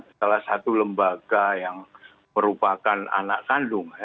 salah satu lembaga yang merupakan anak kandung